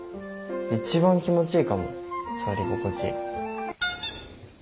一番気持ちいいかも触り心地。